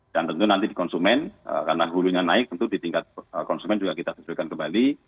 dan tentu nanti di konsumen karena gulunya naik tentu di tingkat konsumen juga kita selesaikan kembali